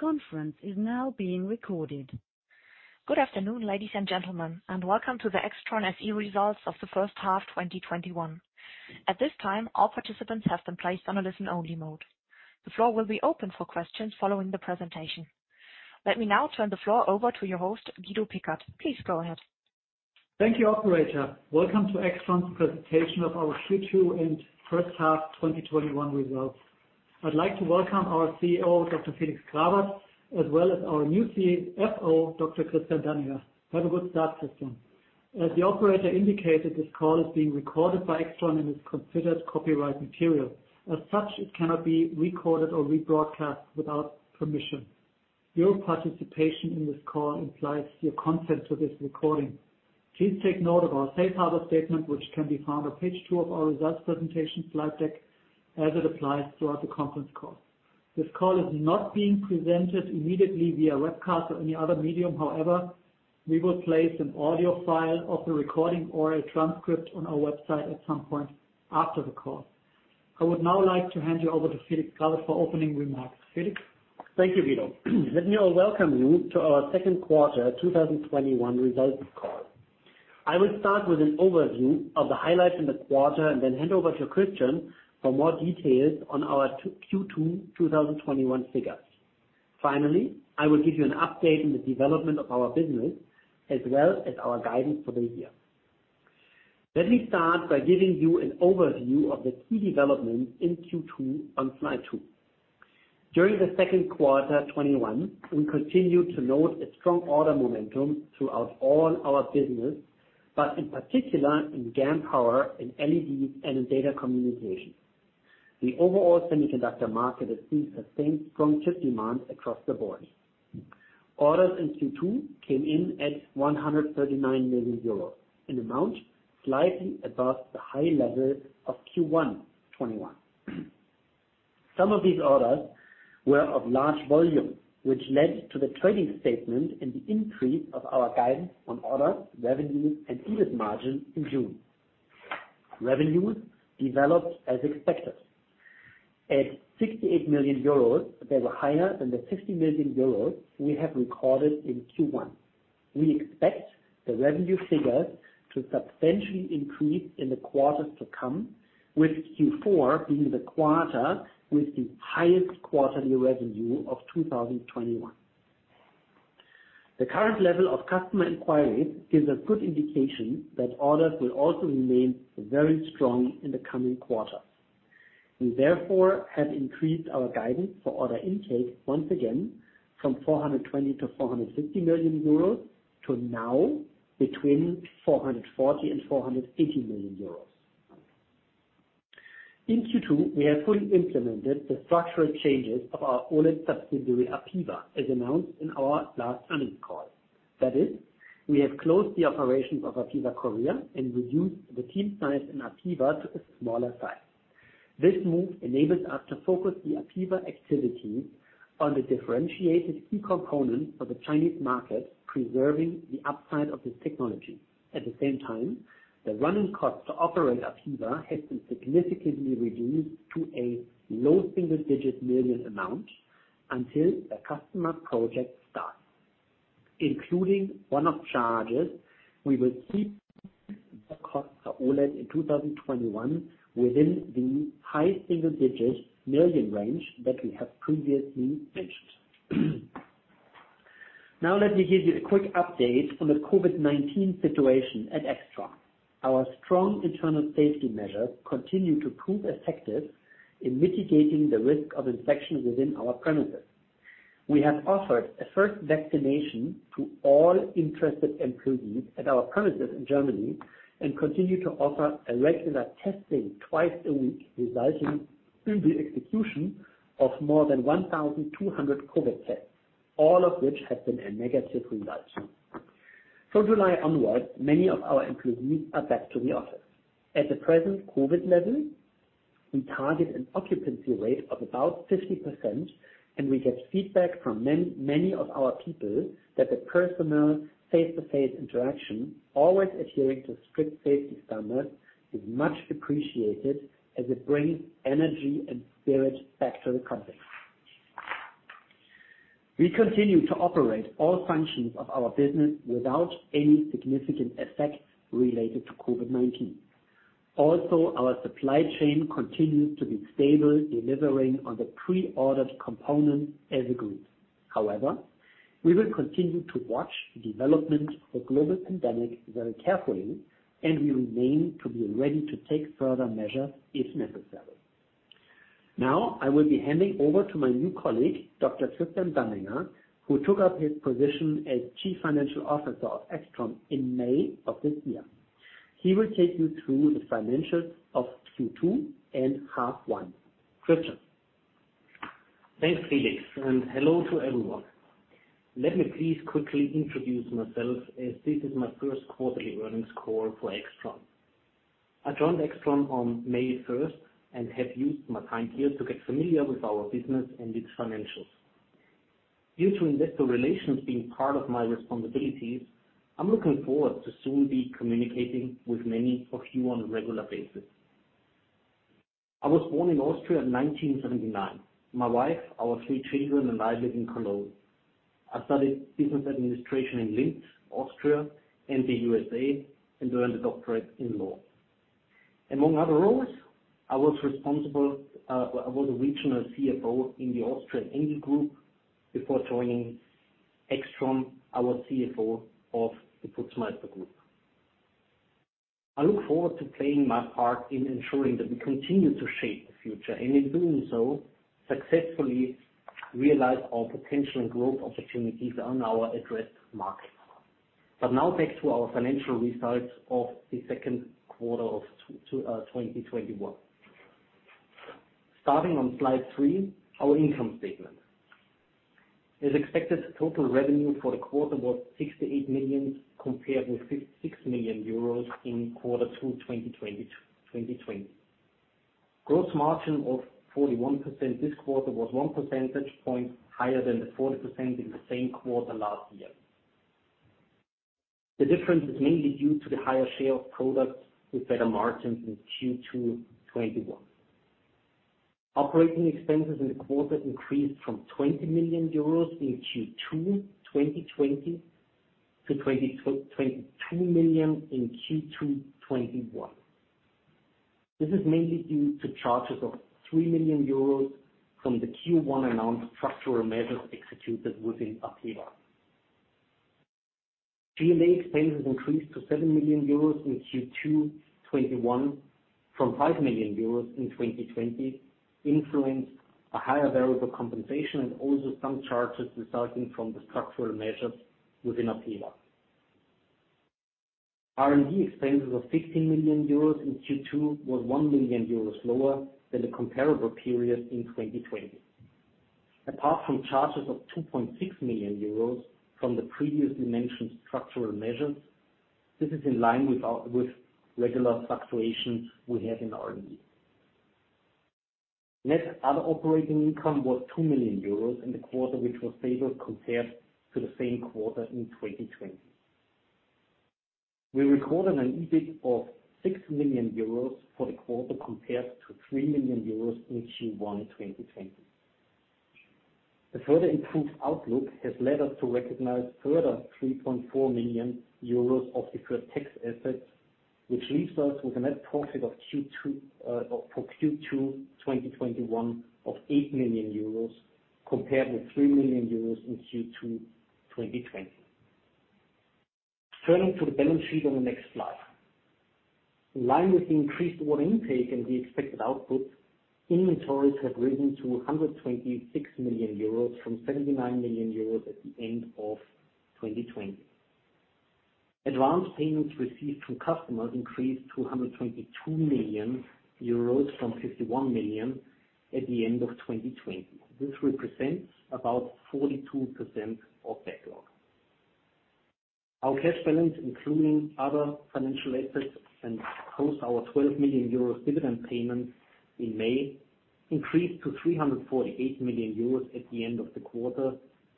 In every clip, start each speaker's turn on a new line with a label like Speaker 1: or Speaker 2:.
Speaker 1: Good afternoon, ladies and gentlemen, and welcome to the AIXTRON SE results of the first half 2021. Let me now turn the floor over to your host, Guido Pickert. Please go ahead.
Speaker 2: Thank you, operator. Welcome to AIXTRON's presentation of our Q2 and first half 2021 results. I'd like to welcome our CEO, Dr. Felix Grawert, as well as our new CFO, Dr. Christian Danninger. Have a good start, Christian. As the operator indicated, this call is being recorded by AIXTRON and is considered copyright material. As such, it cannot be recorded or rebroadcast without permission. Your participation in this call implies your consent to this recording. Please take note of our safe harbor statement, which can be found on page two of our results presentation slide deck as it applies throughout the conference call. This call is not being presented immediately via webcast or any other medium. However, we will place an audio file of the recording or a transcript on our website at some point after the call. I would now like to hand you over to Felix Grawert for opening remarks. Felix?
Speaker 3: Thank you, Guido Pickert. Let me now welcome you to our second quarter 2021 results call. I will start with an overview of the highlights in the quarter, and then hand over to Christian for more details on our Q2 2021 figures. I will give you an update on the development of our business as well as our guidance for the year. Let me start by giving you an overview of the key developments in Q2 on slide two. During the second quarter 2021, we continued to note a strong order momentum throughout all our business, but in particular in GaN power, in LEDs, and in data communication. The overall semiconductor market has seen the same strong chip demand across the board. Orders in Q2 came in at 139 million euros, an amount slightly above the high level of Q1 2021. Some of these orders were of large volume, which led to the trading statement and the increase of our guidance on orders, revenues, and EBIT margin in June. Revenues developed as expected. At 68 million euros, they were higher than the 50 million euros we have recorded in Q1. We expect the revenue figures to substantially increase in the quarters to come, with Q4 being the quarter with the highest quarterly revenue of 2021. The current level of customer inquiries gives a good indication that orders will also remain very strong in the coming quarters. We therefore have increased our guidance for order intake once again, from 420 million-450 million euros, to now between 440 million and 480 million euros. In Q2, we have fully implemented the structural changes of our OLED subsidiary, APEVA, as announced in our last earnings call. That is, we have closed the operations of APEVA Korea and reduced the team size in APEVA to a smaller size. This move enables us to focus the APEVA activity on the differentiated key components of the Chinese market, preserving the upside of this technology. At the same time, the running cost to operate APEVA has been significantly reduced to a low single-digit million amount until the customer project starts. Including one-off charges, we will keep the costs of OLED in 2021 within the high single digits million range that we have previously mentioned. Now let me give you a quick update on the COVID-19 situation at AIXTRON. Our strong internal safety measures continue to prove effective in mitigating the risk of infection within our premises. We have offered a first vaccination to all interested employees at our premises in Germany and continue to offer a regular testing twice a week, resulting in the execution of more than 1,200 COVID tests, all of which have been a negative result. From July onwards, many of our employees are back to the office. At the present COVID level, we target an occupancy rate of about 50%, and we get feedback from many of our people that the personal face-to-face interaction, always adhering to strict safety standards, is much appreciated as it brings energy and spirit back to the company. We continue to operate all functions of our business without any significant effect related to COVID-19. Our supply chain continues to be stable, delivering on the pre-ordered components as a group. However, we will continue to watch the development of the global pandemic very carefully, and we remain to be ready to take further measures if necessary. Now, I will be handing over to my new colleague, Dr. Christian Danninger, who took up his position as Chief Financial Officer of AIXTRON in May of this year. He will take you through the financials of Q2 and half one. Christian?
Speaker 4: Thanks, Felix, and hello to everyone. Let me please quickly introduce myself, as this is my first quarterly earnings call for AIXTRON. I joined AIXTRON on May 1st, and have used my time here to get familiar with our business and its financials. Due to investor relations being part of my responsibilities, I'm looking forward to soon be communicating with many of you on a regular basis. I was born in Austria in 1979. My wife, our three children, and I live in Cologne. I studied business administration in Linz, Austria, and the USA, and earned a doctorate in law. Among other roles, I was a regional CFO in the Austrian Andritz Group before joining AIXTRON, our CFO of the Putzmeister Group. I look forward to playing my part in ensuring that we continue to shape the future, and in doing so, successfully realize our potential and growth opportunities on our addressed markets. Now back to our financial results of the second quarter of 2021. Starting on slide three, our income statement. As expected, total revenue for the quarter was 68 million, compared with 56 million euros in quarter two, 2020. Gross margin of 41% this quarter was 1 percentage point higher than the 40% in the same quarter last year. The difference is mainly due to the higher share of products with better margins in Q2 2021. Operating expenses in the quarter increased from 20 million euros in Q2 2020 to 22 million in Q2 2021. This is mainly due to charges of 3 million euros from the Q1 announced structural measures executed within APEVA. G&A expenses increased to 7 million euros in Q2 2021 from 5 million euros in 2020, influenced a higher variable compensation and also some charges resulting from the structural measures within APEVA. R&D expenses of 16 million euros in Q2 was 1 million euros lower than the comparable period in 2020. Apart from charges of 2.6 million euros from the previously mentioned structural measures, this is in line with regular fluctuations we have in R&D. Net other operating income was 2 million euros in the quarter, which was favored compared to the same quarter in 2020. We recorded an EBIT of 6 million euros for the quarter compared to 3 million euros in Q1 2020. The further improved outlook has led us to recognize further 3.4 million euros of deferred tax assets, which leaves us with a net profit for Q2 2021 of 8 million euros, compared with 3 million euros in Q2 2020. Turning to the balance sheet on the next slide. In line with the increased order intake and the expected output, inventories have risen to 126 million euros from 79 million euros at the end of 2020. Advanced payments received from customers increased to 122 million euros from 51 million at the end of 2020. This represents about 42% of backlog. Our cash balance, including other financial assets and post our 12 million euros dividend payments in May, increased to 348 million euros at the end of the quarter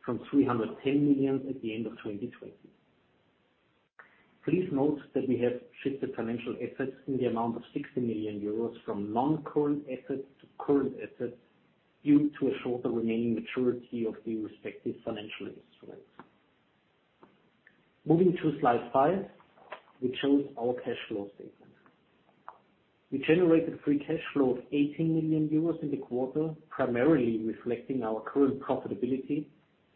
Speaker 4: from 310 million at the end of 2020. Please note that we have shifted financial assets in the amount of 60 million euros from non-current assets to current assets due to a shorter remaining maturity of the respective financial instruments. Moving to slide five, which shows our cash flow statement. We generated free cash flow of 18 million euros in the quarter, primarily reflecting our current profitability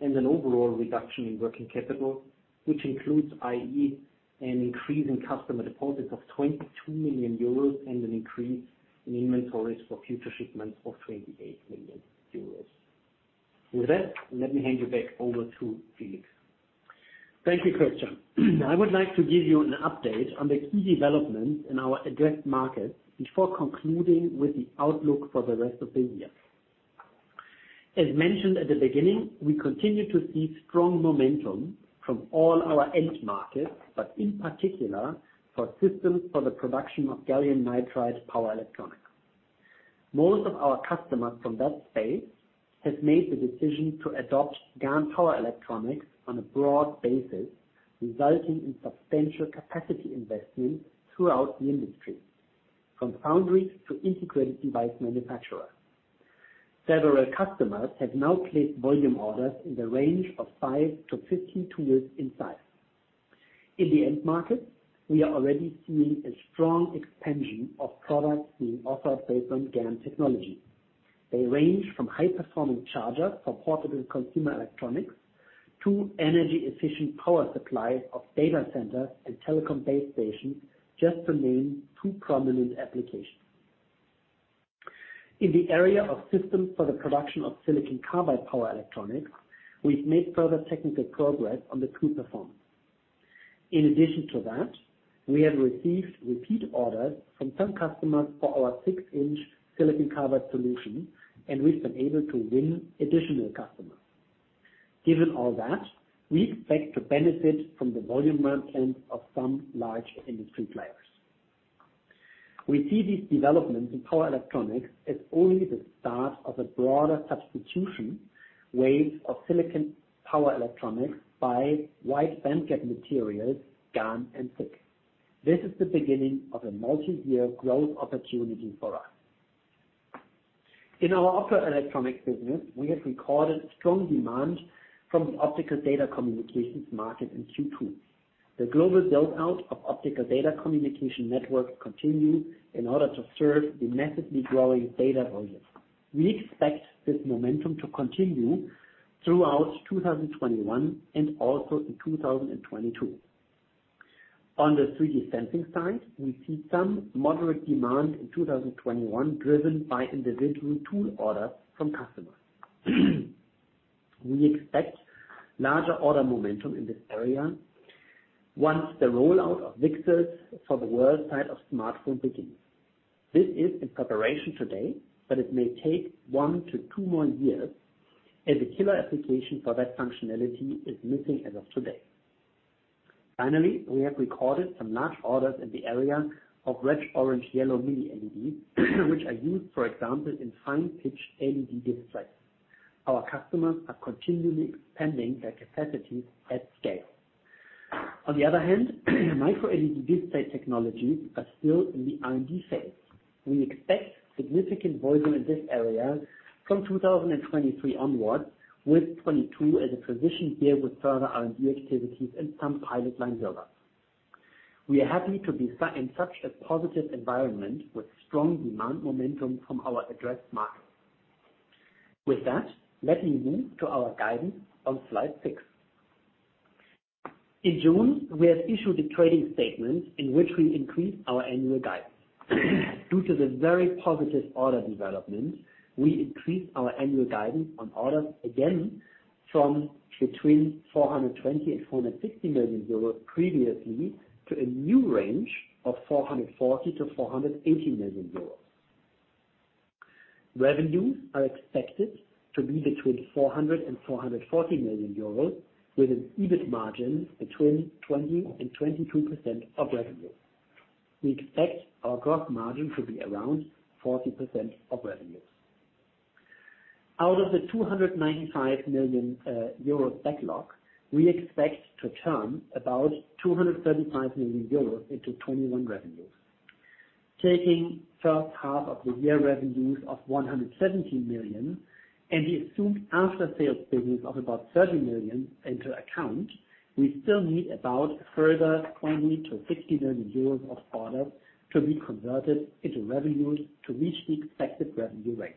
Speaker 4: and an overall reduction in working capital, which includes, i.e., an increase in customer deposits of 22 million euros and an increase in inventories for future shipments of 28 million euros. With that, let me hand you back over to Felix.
Speaker 3: Thank you, Christian. I would like to give you an update on the key developments in our addressed markets before concluding with the outlook for the rest of the year. As mentioned at the beginning, we continue to see strong momentum from all our end markets, but in particular, for systems for the production of gallium nitride power electronics. Most of our customers from that space have made the decision to adopt GaN power electronics on a broad basis, resulting in substantial capacity investments throughout the industry, from foundries to integrated device manufacturers. Several customers have now placed volume orders in the range of 5-15 tools in size. In the end market, we are already seeing a strong expansion of products being offered based on GaN technology. They range from high-performing chargers for portable consumer electronics to energy-efficient power supply of data centers and telecom base stations, just to name two prominent applications. In the area of systems for the production of silicon carbide power electronics, we've made further technical progress on the. [inaudible] In addition to that, we have received repeat orders from some customers for our 6-inch silicon carbide solution, and we've been able to win additional customers. Given all that, we expect to benefit from the volume ramp ends of some large industry players. We see these developments in power electronics as only the start of a broader substitution wave of silicon power electronics by wide bandgap materials, GaN, and SiC. This is the beginning of a multi-year growth opportunity for us. In our optoelectronics business, we have recorded strong demand from the optical data communications market in Q2. The global build-out of optical data communication networks continue in order to serve the massively growing data volumes. We expect this momentum to continue throughout 2021 and also in 2022. On the 3D sensing side, we see some moderate demand in 2021 driven by individual tool orders from customers. We expect larger order momentum in this area once the rollout of VCSELs for the world-facing side of smartphone begins. This is in preparation today, but it may take one to two more years as a killer application for that functionality is missing as of today. Finally, we have recorded some large orders in the area of red/orange/yellow Mini LED, which are used, for example, in fine-pitch LED displays. Our customers are continually expanding their capacities at scale. On the other hand, Micro LED display technologies are still in the R&D phase. We expect significant volume in this area from 2023 onwards, with 2022 as a transition year with further R&D activities and some pilot line build-ups. We are happy to be in such a positive environment with strong demand momentum from our address market. With that, let me move to our guidance on slide six. In June, we have issued a trading statement in which we increased our annual guidance. Due to the very positive order development, we increased our annual guidance on orders again from between 420 million and 460 million euros previously, to a new range of 440 million-480 million euros. Revenues are expected to be between 400 million euros and 440 million euros, with an EBIT margin between 20%-22% of revenue. We expect our gross margin to be around 40% of revenues. Out of the 295 million euros backlog, we expect to turn about 235 million euros into 2021 revenues. Taking first half of the year revenues of 117 million, and the assumed after-sales business of about 30 million into account, we still need about a further 20 million-50 million euros of orders to be converted into revenues to reach the expected revenue range.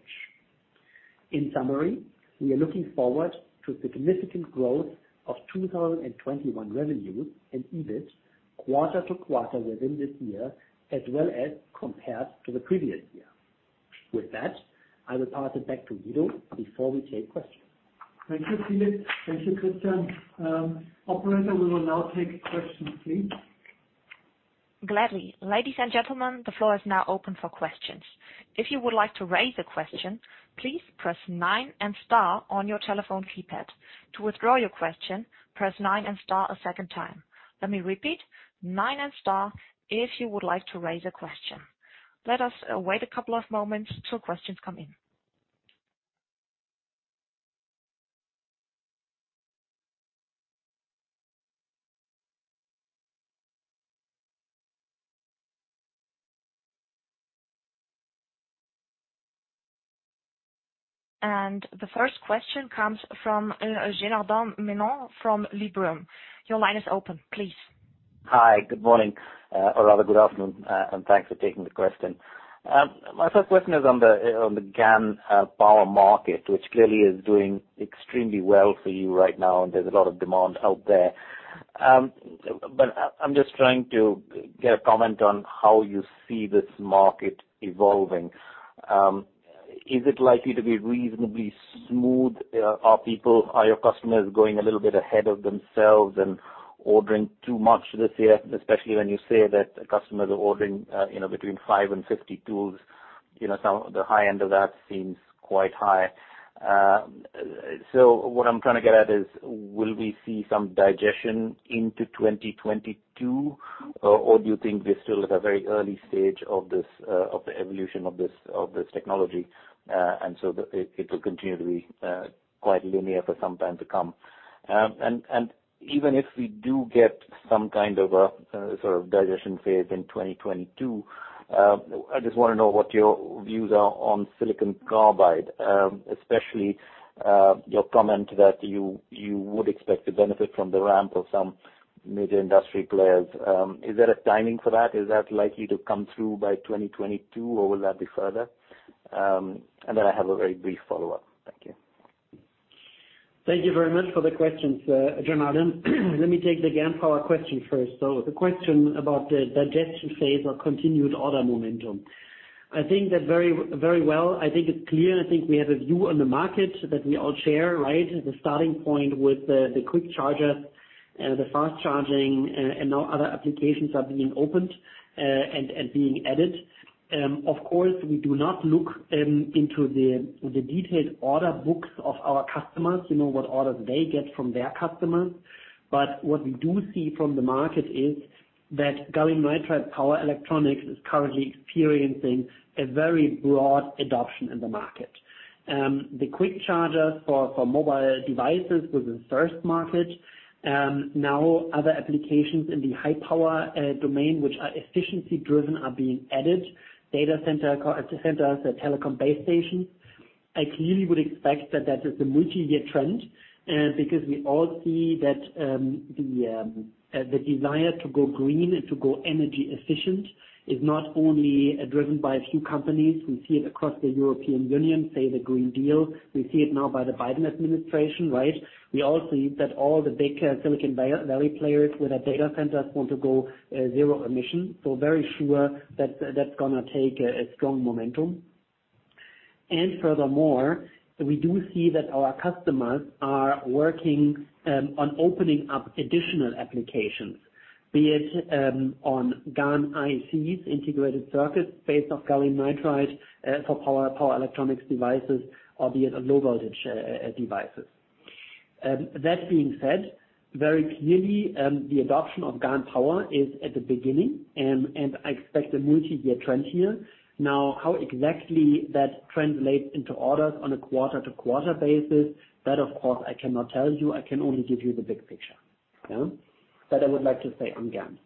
Speaker 3: In summary, we are looking forward to significant growth of 2021 revenues and EBIT quarter-to-quarter within this year, as well as compared to the previous year. With that, I will pass it back to Guido before we take questions.
Speaker 2: Thank you, Felix. Thank you, Christian. Operator, we will now take questions please.
Speaker 1: Gladly. Ladies and gentlemen, the floor is now open for questions. If you would like to raise a question, please press nine and star on your telephone keypad. To withdraw your question, press nine and star a second time. Let me repeat, nine and star if you would like to raise a question. Let us wait a couple of moments till questions come in. The first question comes from Janardan Menon from Liberum. Your line is open, please.
Speaker 5: Hi, good morning, or rather good afternoon, thanks for taking the question. My first question is on the GaN power market, which clearly is doing extremely well for you right now and there's a lot of demand out there. I'm just trying to get a comment on how you see this market evolving. Is it likely to be reasonably smooth? Are your customers going a little bit ahead of themselves and ordering too much this year? Especially when you say that customers are ordering between five and 50 tools. The high end of that seems quite high. What I'm trying to get at is, will we see some digestion into 2022, or do you think we're still at a very early stage of the evolution of this technology, and so it will continue to be quite linear for some time to come? Even if we do get some kind of a sort of digestion phase in 2022, I just want to know what your views are on silicon carbide, especially your comment that you would expect to benefit from the ramp of some major industry players. Is there a timing for that? Is that likely to come through by 2022, or will that be further? Then I have a very brief follow-up. Thank you.
Speaker 3: Thank you very much for the questions, Janardan. Let me take the GaN power question first. The question about the digestion phase or continued order momentum. I think that very well. I think it's clear, and I think we have a view on the market that we all share, right? The starting point with the quick charger, the fast charging, and now other applications are being opened and being added. Of course, we do not look into the detailed order books of our customers, what orders they get from their customers. What we do see from the market is that gallium nitride power electronics is currently experiencing a very broad adoption in the market. The quick chargers for mobile devices was the first market. Other applications in the high power domain, which are efficiency-driven, are being added. Data centers, telecom base stations. I clearly would expect that is a multi-year trend, because we all see that the desire to go green and to go energy efficient is not only driven by a few companies. We see it across the European Union, say, the Green Deal. We see it now by the Biden administration, right? We all see that all the big Silicon Valley players with a data center want to go zero emission. We're very sure that's going to take a strong momentum. Furthermore, we do see that our customers are working on opening up additional applications, be it on GaN ICs, integrated circuits based off gallium nitride for power electronics devices, or be it low voltage devices. That being said, very clearly, the adoption of GaN power is at the beginning, and I expect a multi-year trend here. How exactly that translates into orders on a quarter-to-quarter basis, that of course I cannot tell you. I can only give you the big picture. That I would like to say on GaN.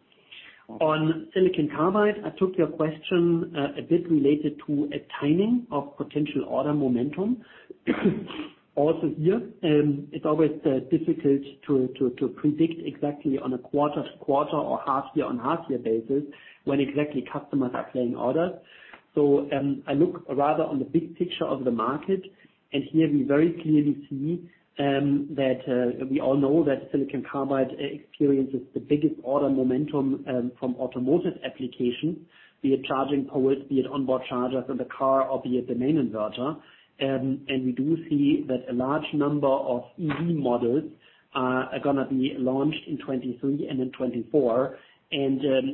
Speaker 3: On silicon carbide, I took your question a bit related to a timing of potential order momentum. Here, it's always difficult to predict exactly on a quarter-to-quarter or half-year-on-half-year basis when exactly customers are placing orders. I look rather on the big picture of the market, and here we very clearly see that we all know that silicon carbide experiences the biggest order momentum from automotive application, be it charging [pods], be it onboard chargers on the car or be it the main inverter. We do see that a large number of EV models are going to be launched in 2023 and in 2024.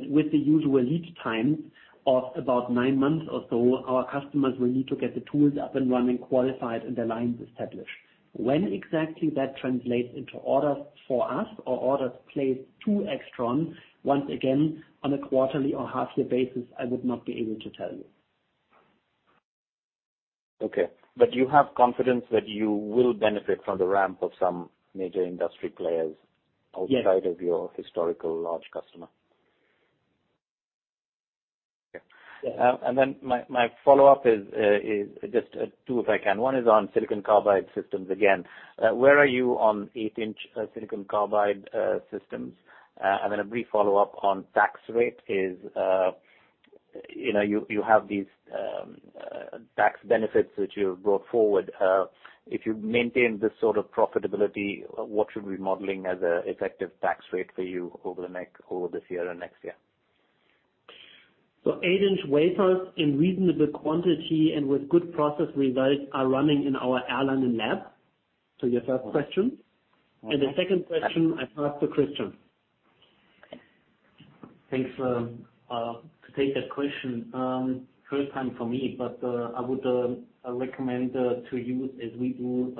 Speaker 3: With the usual lead time of about nine months or so, our customers will need to get the tools up and running, qualified, and the lines established. When exactly that translates into orders for us or orders placed to AIXTRON, once again, on a quarterly or half-year basis, I would not be able to tell you.
Speaker 5: Okay. You have confidence that you will benefit from the ramp of some major industry players.
Speaker 3: Yes.
Speaker 5: Outside of your historical large customer? Okay.
Speaker 3: Yeah.
Speaker 5: My follow-up is just two, if I can. One is on silicon carbide systems again. Where are you on 8-inch silicon carbide systems? A brief follow-up on tax rate is, you have these tax benefits which you brought forward. If you maintain this sort of profitability, what should we modeling as a effective tax rate for you over this year and next year?
Speaker 3: 8-inch wafers in reasonable quantity and with good process results are running in our Erlangen lab. Your first question. The second question, I pass to Christian.
Speaker 4: Thanks. To take that question, first time for me, I would recommend to use, as we do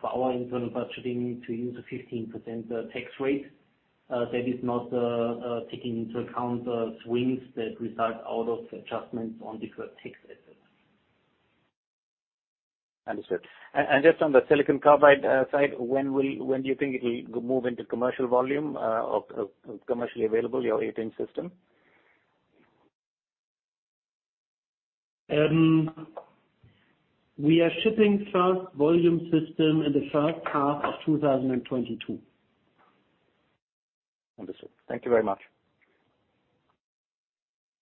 Speaker 4: for our internal budgeting, to use a 15% tax rate. That is not taking into account swings that result out of adjustments on deferred tax assets.
Speaker 5: Understood. Just on the silicon carbide side, when do you think it will move into commercial volume, commercially available, your 8-inch system?
Speaker 3: We are shipping first volume system in the first half of 2022.
Speaker 5: Understood. Thank you very much.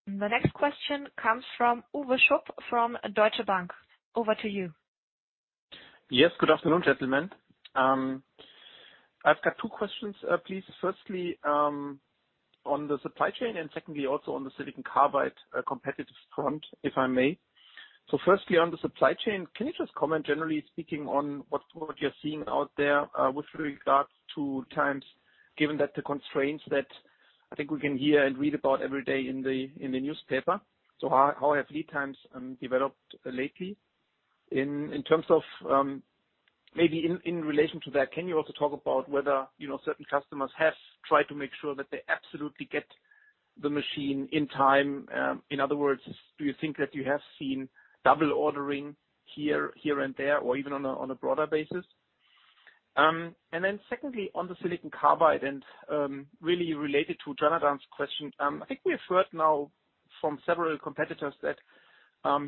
Speaker 1: The next question comes from Uwe Schupp from Deutsche Bank. Over to you.
Speaker 6: Yes. Good afternoon, gentlemen. I've got two questions, please. Firstly, on the supply chain, and secondly, also on the silicon carbide competitive front, if I may. Firstly, on the supply chain, can you just comment, generally speaking, on what you're seeing out there with regards to times, given that the constraints that I think we can hear and read about every day in the newspaper. How have lead times developed lately? In terms of, maybe in relation to that, can you also talk about whether certain customers have tried to make sure that they absolutely get the machine in time? In other words, do you think that you have seen double ordering here and there or even on a broader basis? Secondly, on the silicon carbide and really related to Janardan's question, I think we have heard now from several competitors that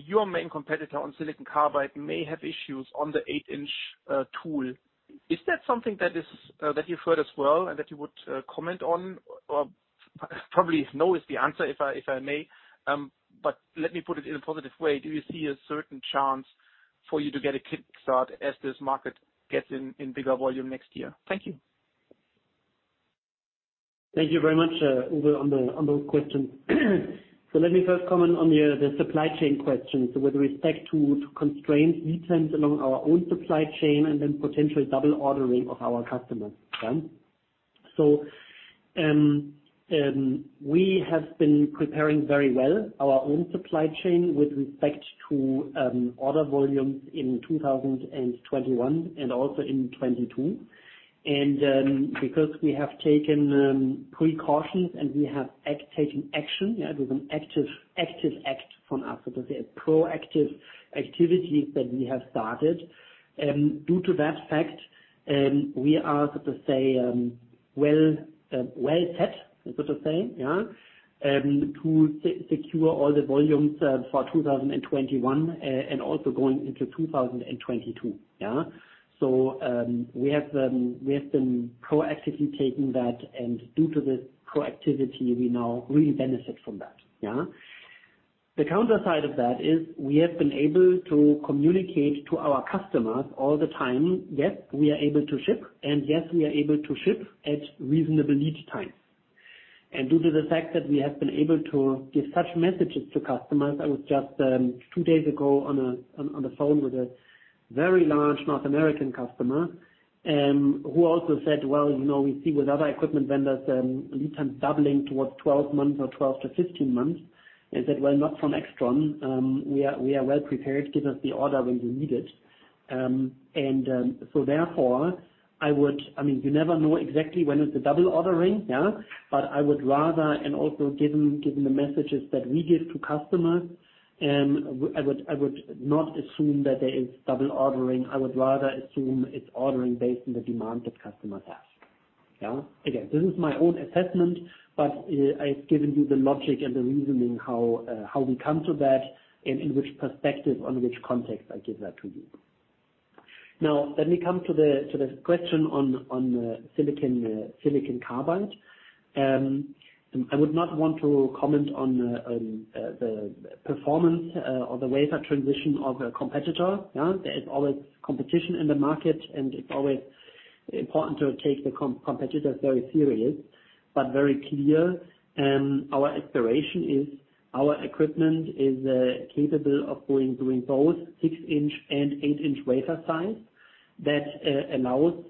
Speaker 6: your main competitor on silicon carbide may have issues on the 8-inch tool. Is that something that you've heard as well and that you would comment on? Probably no is the answer, if I may. Let me put it in a positive way. Do you see a certain chance for you to get a kick start as this market gets in bigger volume next year? Thank you.
Speaker 3: Thank you very much, Uwe, on the question. Let me first comment on the supply chain question. With respect to constraints, lead times along our own supply chain, and then potentially double ordering of our customers. We have been preparing very well our own supply chain with respect to order volumes in 2021 and also in 2022. Because we have taken precautions and we have taken action, it was an active act from us, so to say, a proactive activity that we have started. Due to that fact, we are, so to say, well set, so to say, to secure all the volumes for 2021 and also going into 2022. We have been proactively taking that, and due to this proactivity, we now really benefit from that. The counter side of that is we have been able to communicate to our customers all the time. Yes, we are able to ship, and yes, we are able to ship at reasonable lead time. Due to the fact that we have been able to give such messages to customers, I was just, two days ago, on the phone with a very large North American customer, who also said, "Well, we see with other equipment vendors, lead times doubling towards 12 months or 12-15 months." I said, "Well, not from AIXTRON. We are well prepared. Give us the order when you need it." You never know exactly when is the double ordering. I would rather, and also given the messages that we give to customers, I would not assume that there is double ordering. I would rather assume it's ordering based on the demand that customers have. This is my own assessment, but I've given you the logic and the reasoning how we come to that and in which perspective, on which context I give that to you. Let me come to the question on silicon carbide. I would not want to comment on the performance or the wafer transition of a competitor. There is always competition in the market, and it's always important to take the competitors very serious, but very clear. Our aspiration is our equipment is capable of doing both 6-inch and 8-inch wafer size. That allows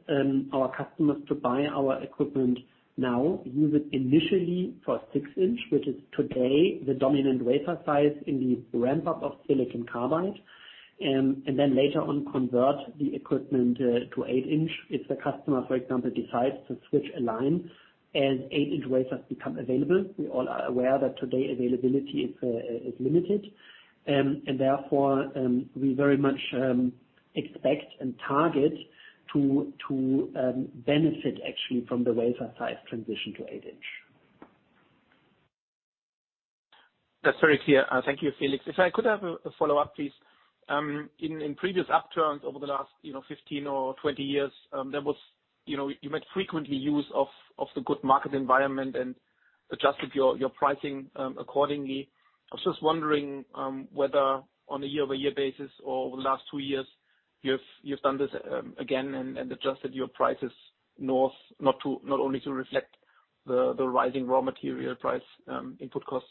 Speaker 3: our customers to buy our equipment now, use it initially for 6-inch, which is today the dominant wafer size in the ramp-up of silicon carbide. Then later on convert the equipment to 8-inch if the customer, for example, decides to switch a line and 8-inch wafers become available. We all are aware that today availability is limited. Therefore, we very much expect and target to benefit actually from the wafer size transition to 8-inch.
Speaker 6: That's very clear. Thank you, Felix. If I could have a follow-up, please. In previous upturns over the last 15 or 20 years, you made frequently use of the good market environment and adjusted your pricing accordingly. I was just wondering whether on a year-over-year basis or over the last two years, you've done this again and adjusted your prices north, not only to reflect the rising raw material price input costs.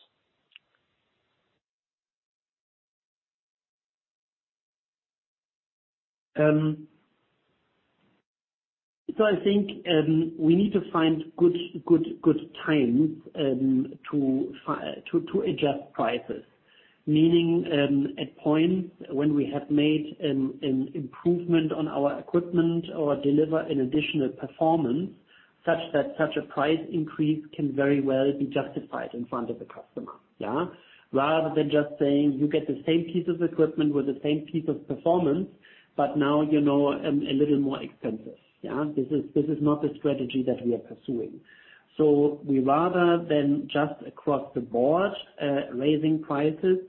Speaker 3: I think we need to find good times to adjust prices. Meaning, at points when we have made an improvement on our equipment or deliver an additional performance, such that such a price increase can very well be justified in front of the customer. Rather than just saying, "You get the same piece of equipment with the same piece of performance, but now a little more expensive." This is not the strategy that we are pursuing. We rather than just across the board raising prices,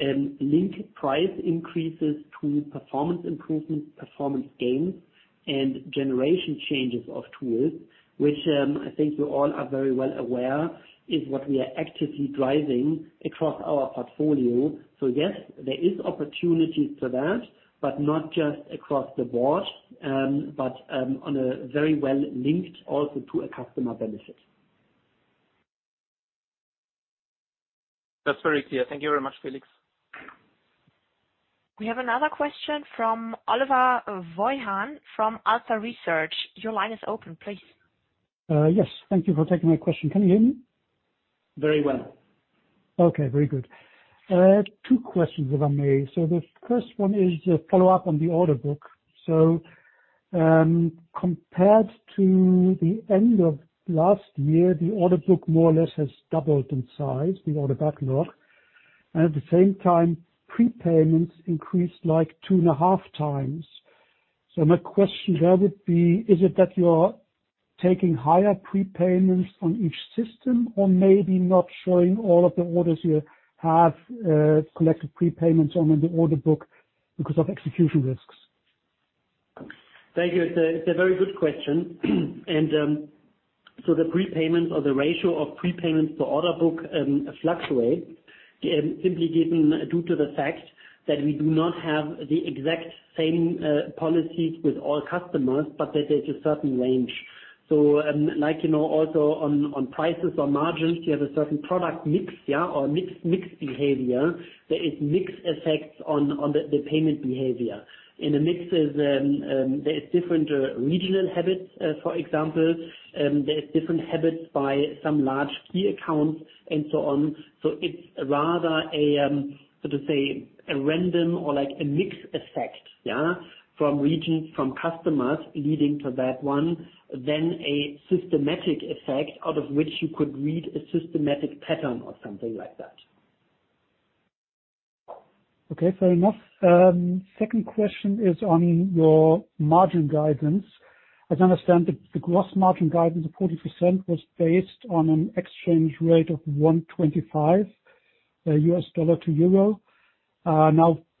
Speaker 3: link price increases to performance improvements, performance gains, and generation changes of tools, which I think you all are very well aware is what we are actively driving across our portfolio. Yes, there are opportunities for that, but not just across the board, but on a very well linked also to a customer benefit.
Speaker 6: That's very clear. Thank you very much, Felix.
Speaker 1: We have another question from Oliver Wojahn from AlsterResearch. Your line is open, please.
Speaker 7: Yes. Thank you for taking my question. Can you hear me?
Speaker 3: Very well.
Speaker 7: Okay. Very good. Two questions, if I may. The first one is a follow-up on the order book. Compared to the end of last year, the order book more or less has doubled in size, the order backlog. At the same time, prepayments increased like 2.5 times. My question there would be, is it that you're taking higher prepayments on each system or maybe not showing all of the orders you have collected prepayments on in the order book because of execution risks?
Speaker 3: Thank you. It's a very good question. The prepayments or the ratio of prepayments to order book fluctuate, simply due to the fact that we do not have the exact same policies with all customers, but that there's a certain range. Like also on prices or margins, you have a certain product mix, yeah, or mixed behavior. There is mixed effects on the payment behavior. In the mix, there is different regional habits, for example, there is different habits by some large key accounts, and so on. It's rather, sort of say, a random or like a mix effect, yeah, from customers leading to that one, than a systematic effect out of which you could read a systematic pattern or something like that.
Speaker 7: Okay, fair enough. Second question is on your margin guidance. As I understand, the gross margin guidance of 40% was based on an exchange rate of 1.25 U.S. dollar to euro.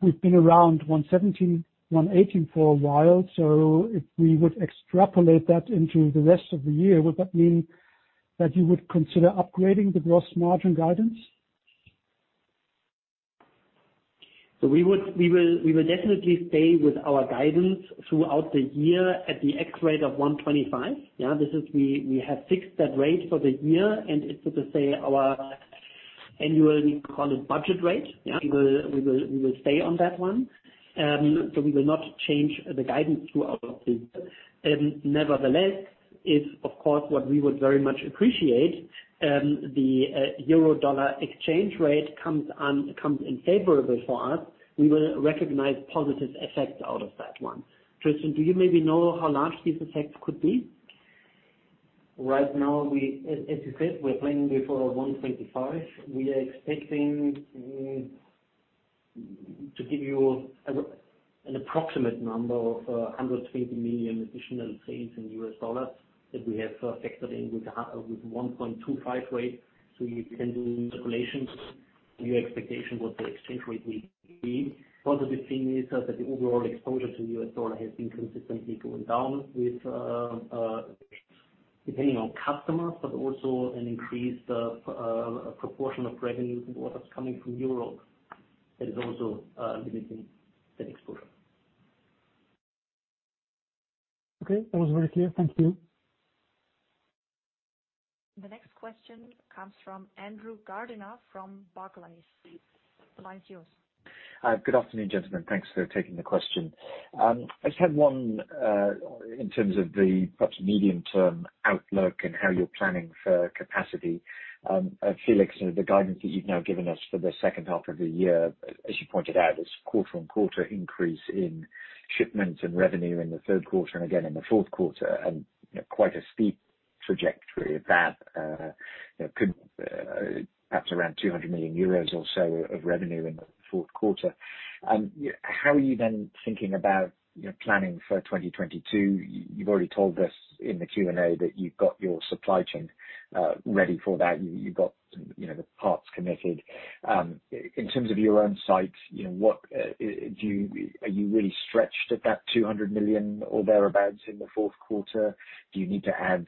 Speaker 7: We've been around 1.17, 1.18 for a while, so if we would extrapolate that into the rest of the year, would that mean that you would consider upgrading the gross margin guidance?
Speaker 3: We will definitely stay with our guidance throughout the year at the exchange rate of 1.25. Yeah. We have fixed that rate for the year, and it's, sort of say, our annual, we call it budget rate. Yeah. We will stay on that one. We will not change the guidance throughout the year. Nevertheless, if, of course, what we would very much appreciate, the euro dollar exchange rate comes in favorable for us, we will recognize positive effects out of that one. Christian, do you maybe know how large these effects could be?
Speaker 4: Right now, as you said, we're planning for 1.25. We are expecting to give you an approximate number of $150 million additional sales in U.S. dollars that we have factored in with 1.25 rate. You can do calculations on your expectation what the exchange rate will be. Positive thing is that the overall exposure to U.S. dollar has been consistently going down with, depending on customers, but also an increased proportion of revenues and orders coming from Europe. That is also limiting that exposure.
Speaker 7: Okay. That was very clear. Thank you.
Speaker 1: The next question comes from Andrew Gardiner from Barclays. The line is yours.
Speaker 8: Good afternoon, gentlemen. Thanks for taking the question. I just had one, in terms of the perhaps medium-term outlook and how you're planning for capacity. Felix, the guidance that you've now given us for the second half of the year, as you pointed out, is quarter-on-quarter increase in shipments and revenue in the third quarter and again in the fourth quarter, and quite a steep trajectory that could perhaps around 200 million euros or so of revenue in the fourth quarter. How are you thinking about planning for 2022? You've already told us in the Q&A that you've got your supply chain ready for that. You've got the parts committed. In terms of your own sites, are you really stretched at that 200 million or thereabouts in the fourth quarter? Do you need to add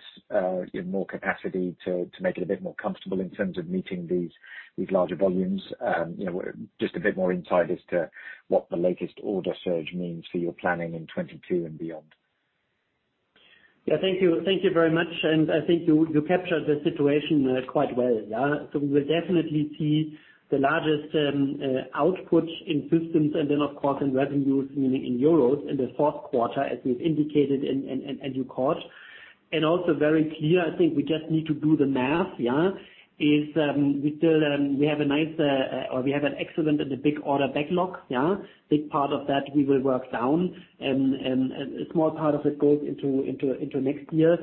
Speaker 8: more capacity to make it a bit more comfortable in terms of meeting these larger volumes? Just a bit more insight as to what the latest order surge means for your planning in 2022 and beyond.
Speaker 3: Yeah. Thank you very much. I think you captured the situation quite well. Yeah. We will definitely see the largest output in systems and then of course, in revenues, meaning in euros, in the fourth quarter, as we've indicated and you caught. Also very clear, I think we just need to do the math, yeah, is we have a nice or we have an excellent and a big order backlog, yeah. Big part of that we will work down. A small part of it goes into next year.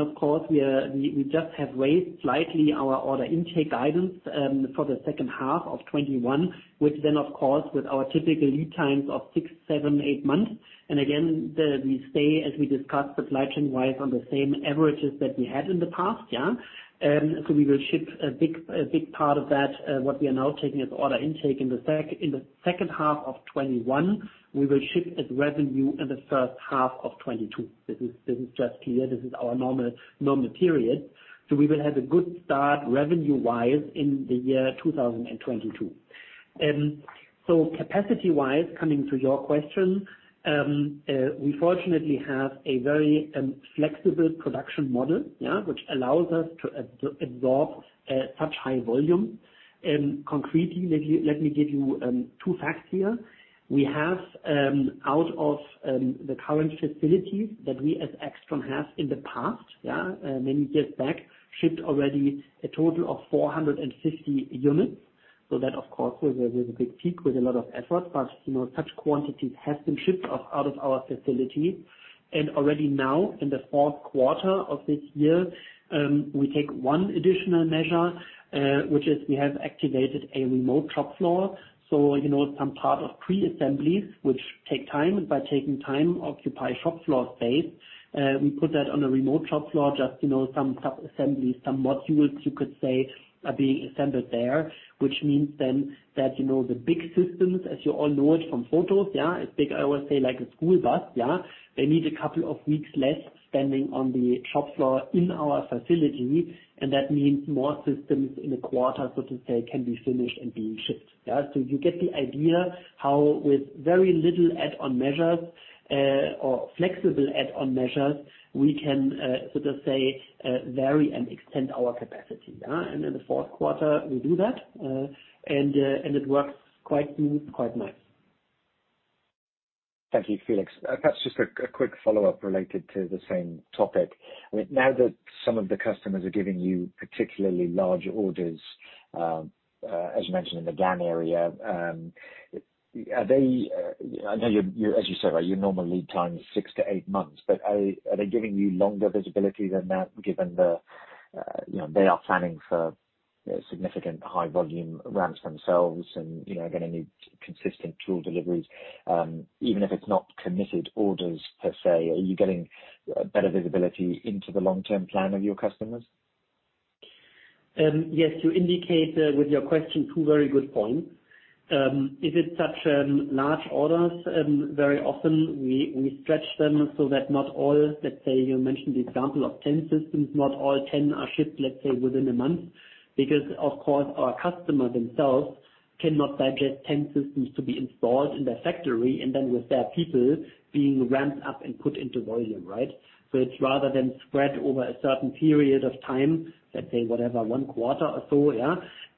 Speaker 3: Of course, we just have raised slightly our order intake guidance for the second half of 2021, which then of course, with our typical lead times of six, seven, eight months. Again, we stay, as we discussed, supply chain wise, on the same averages that we had in the past, yeah. We will ship a big part of that, what we are now taking as order intake in the second half of 2021. We will ship as revenue in the first half of 2022. This is just clear, this is our normal period. We will have a good start revenue wise in the year 2022. Capacity wise, coming to your question, we fortunately have a very flexible production model, which allows us to absorb such high volume. Concretely, let me give you two facts here. We have, out of the current facilities that we as AIXTRON have in the past, many years back, shipped already a total of 450 units. That of course, was a big peak with a lot of effort. Such quantities have been shipped out of our facility. Already now in the fourth quarter of this year, we take one additional measure, which is we have activated a remote shop floor. Some part of pre-assemblies, which take time, and by taking time, occupy shop floor space. We put that on a remote shop floor, just some sub-assemblies, some modules, you could say, are being assembled there. The big systems, as you all know it from photos, it's big. I always say like a school bus. They need a couple of weeks less standing on the shop floor in our facility. That means more systems in a quarter, so to say, can be finished and being shipped. You get the idea how, with very little add-on measures or flexible add-on measures, we can sort of say, vary and extend our capacity. In the fourth quarter, we do that. It works quite smooth, quite nice.
Speaker 8: Thank you, Felix. Perhaps just a quick follow-up related to the same topic. Now that some of the customers are giving you particularly large orders, as you mentioned in the GaN area. I know you, as you said, your normal lead time is six to eight months, but are they giving you longer visibility than that given they are planning for significant high volume ramps themselves and going to need consistent tool deliveries even if it's not committed orders per se, are you getting better visibility into the long-term plan of your customers?
Speaker 3: Yes. You indicate with your question two very good points. If it's such large orders, very often we stretch them so that not all, let's say, you mentioned the example of 10 systems, not all 10 are shipped, let's say, within a month. Of course, our customers themselves cannot digest 10 systems to be installed in their factory and then with their people being ramped up and put into volume, right? It's rather than spread over a certain period of time, let's say whatever, one quarter or so.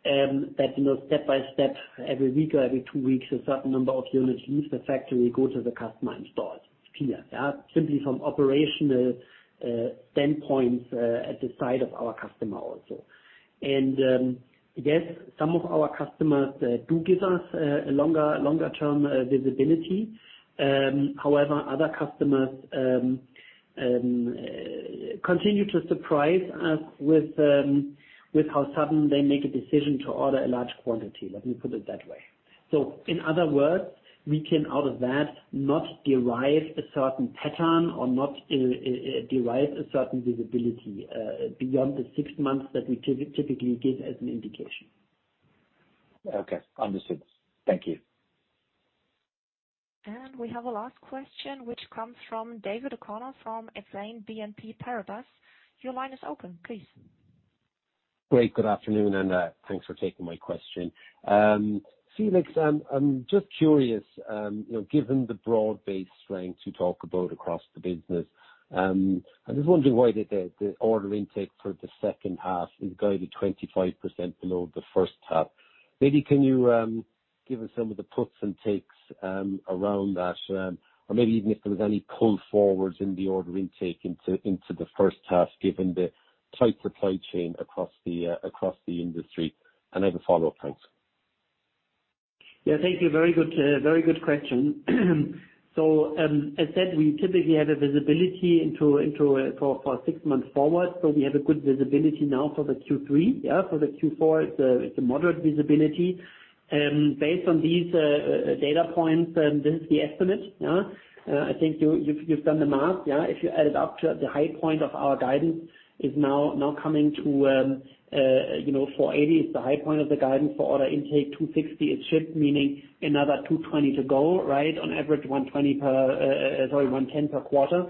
Speaker 3: That step by step, every week or every two weeks, a certain number of units leave the factory, go to the customer installed. Clear. Simply from operational standpoint at the side of our customer also. Yes, some of our customers do give us a longer term visibility. However, other customers continue to surprise us with how sudden they make a decision to order a large quantity. Let me put it that way. In other words, we can, out of that, not derive a certain pattern or not derive a certain visibility beyond the six months that we typically give as an indication.
Speaker 8: Okay. Understood. Thank you.
Speaker 1: We have a last question which comes from David O'Connor from Exane BNP Paribas. Your line is open, please.
Speaker 9: Great. Good afternoon, and thanks for taking my question. Felix, I'm just curious, given the broad-based strength you talk about across the business, I'm just wondering why the order intake for the second half is going to be 25% below the first half. Maybe can you give us some of the puts and takes around that? Maybe even if there was any pull forwards in the order intake into the first half, given the tight supply chain across the industry. I have a follow-up. Thanks.
Speaker 3: Yeah, thank you. Very good question. As said, we typically have a visibility for six months forward. We have a good visibility now for the Q3. For the Q4, it's a moderate visibility. Based on these data points, this is the estimate. I think you've done the math. If you add it up to the high point of our guidance is now coming to, 480 is the high point of the guidance for order intake, 260 is shipped, meaning another 220 to go. On average 110 per quarter,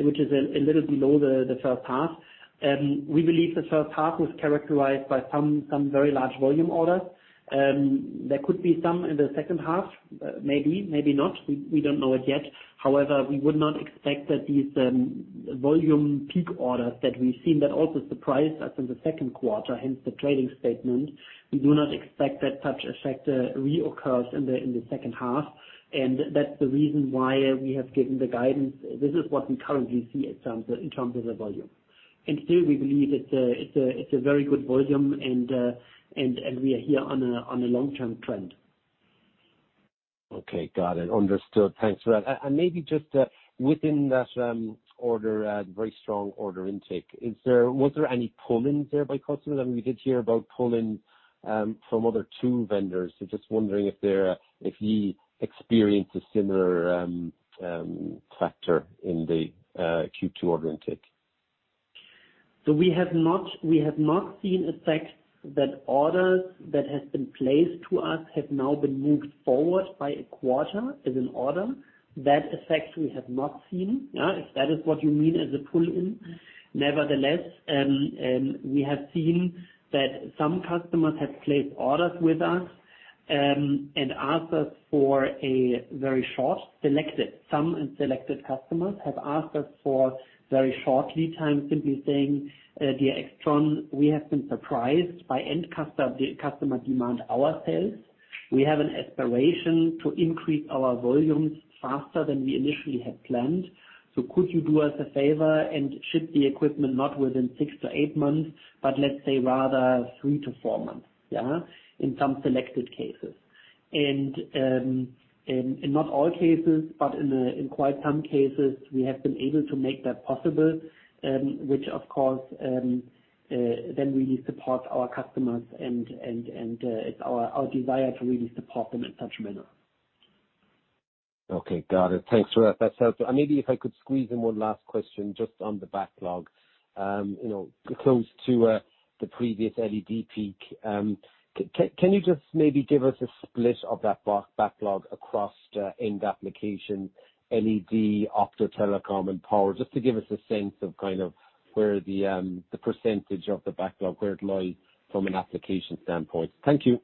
Speaker 3: which is a little below the first half. We believe the first half was characterized by some very large volume orders. There could be some in the second half, maybe not. We don't know it yet. We would not expect that these volume peak orders that we've seen, that also surprised us in the second quarter, hence the trading statement. We do not expect that such effect reoccurs in the second half, and that's the reason why we have given the guidance. This is what we currently see in terms of the volume. Still, we believe it's a very good volume and we are here on a long-term trend.
Speaker 9: Okay. Got it. Understood. Thanks for that. Maybe just within that very strong order intake, was there any pull-ins there by customers? We did hear about pull-ins from other tool vendors. Just wondering if you experienced a similar factor in the Q2 order intake.
Speaker 3: We have not seen effects that orders that have been placed to us have now been moved forward by a quarter as an order. That effect we have not seen. If that is what you mean as a pull-in. Nevertheless, we have seen that some customers have placed orders with us, and some selected customers have asked us for very short lead times, simply saying, "Dear AIXTRON, we have been surprised by end customer demand ourselves. We have an aspiration to increase our volumes faster than we initially had planned. Could you do us a favor and ship the equipment not within six to eight months, but let's say rather three to four months?" In some selected cases. In not all cases, but in quite some cases, we have been able to make that possible. Which of course, really supports our customers and it's our desire to really support them in such manner.
Speaker 9: Okay, got it. Thanks for that. That's helpful. Maybe if I could squeeze in one last question, just on the backlog. Close to the previous LED peak. Can you just maybe give us a split of that backlog across the end application, LED, opto, telecom, and power, just to give us a sense of kind of where the percentage of the backlog, where it lies from an application standpoint. Thank you.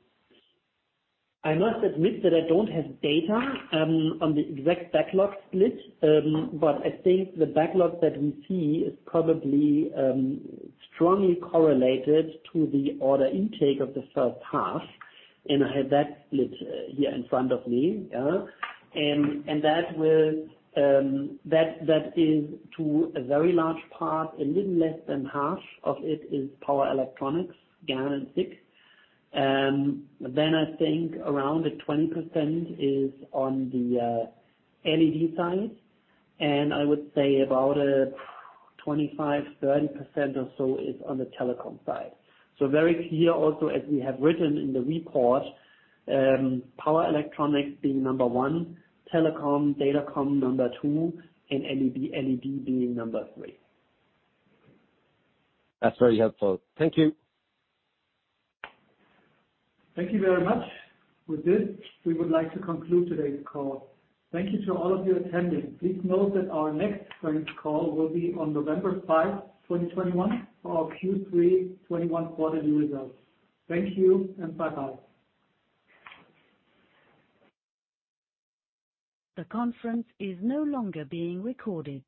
Speaker 3: I must admit that I don't have data on the exact backlog split. I think the backlog that we see is probably strongly correlated to the order intake of the first half, and I have that split here in front of me. That is to a very large part, a little less than half of it is power electronics, GaN and SiC. I think around 20% is on the LED side. I would say about 25%, 30% or so is on the telecom side. Very clear also as we have written in the report, power electronics being number one, telecom, datacom number two, and LED being number three.
Speaker 9: That's very helpful. Thank you.
Speaker 2: Thank you very much. With this, we would like to conclude today's call. Thank you to all of you attending. Please note that our next earnings call will be on November 5, 2021, for our Q3 2021 quarterly results. Thank you and bye-bye.
Speaker 1: The conference is no longer being recorded.